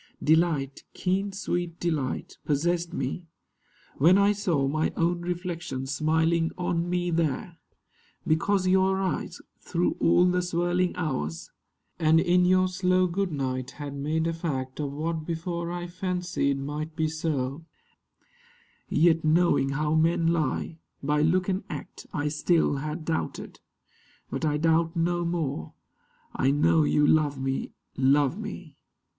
Delight, Keen sweet delight, possessed me, when I saw My own reflection smiling on me there, Because your eyes, through all the swirling hours, And in your slow good night, had made a fact Of what before I fancied might be so; Yet knowing how men lie, by look and act, I still had doubted. But I doubt no more, I know you love me, love me.